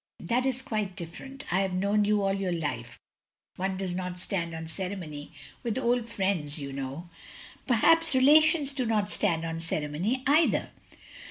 "That is quite different. I have known you all your life. One does not stand on ceremony with old friends, you know. " "Perhaps relations do not stand on ceremony either.